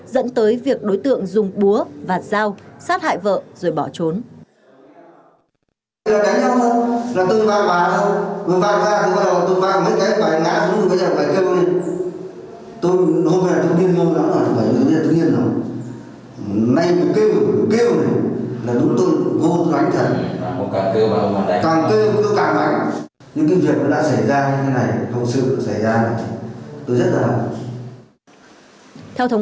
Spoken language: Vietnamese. dẫn tới việc đối tượng dùng búa và dao sát hại vợ rồi bỏ trốn